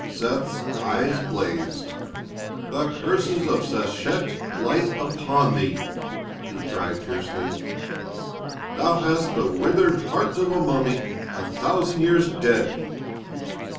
Seth's eyes blazed. "The curses of Sechet light upon thee!" he cried fiercely; "thou hast the withered heart of a mummy a thousand years dead!"